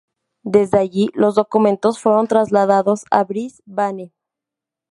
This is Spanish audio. Desde allí, los documentos fueron trasladados a Brisbane.